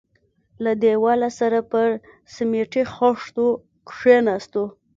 له دېواله سره پر سميټي خښتو کښېناستو.